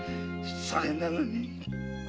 それなのに。